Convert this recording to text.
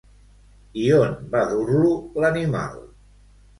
I on va dur-lo l'animal?